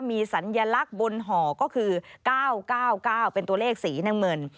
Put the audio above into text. มีสัญลักษณ์บนห่อก็คือ๙๙๙เป็นตัวเลขสีน้ำเงิน